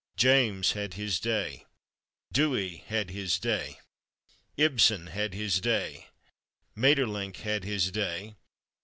James had his day; Dewey had his day; Ibsen had his day; Maeterlinck had his day.